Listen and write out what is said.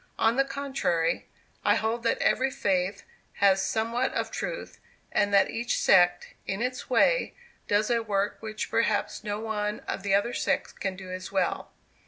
On the contrary, I hold that every faith has somewhat of truth; and that each sect, in its way, does a work which perhaps no one of the other sects can do as well.